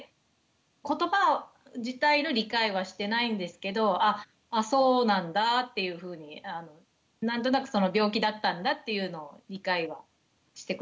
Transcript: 言葉自体の理解はしてないんですけどあそうなんだっていうふうに何となく病気だったんだっていうのを理解はしてくれてますね。